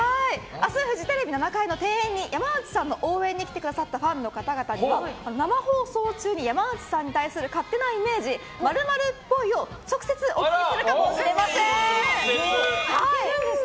明日、フジテレビ７階の庭園に山内さんの応援に来てくださったファンの方々に生放送中に山内さんに対する勝手なイメージ○○っぽいを直接お聞きするかもしれません。